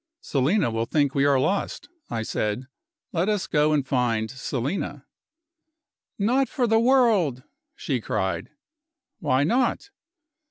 "Selina will think we are lost," I said. "Let us go and find Selina." "Not for the world," she cried. "Why not?"